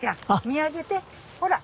見上げてほら！